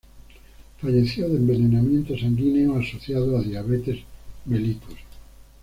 Falleció de envenenamiento sanguíneo asociado a diabetes mellitus.